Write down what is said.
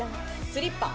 スリッパ。